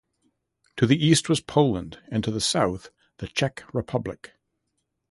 To the east was Poland, and to the south the Czech Republic.